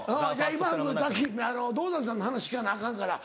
今ＤＯＺＡＮさんの話聞かなアカンから。